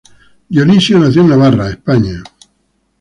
Dionisio nació en Navarra, España.